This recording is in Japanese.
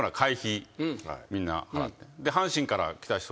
みんな払って。